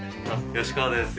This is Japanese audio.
吉川です。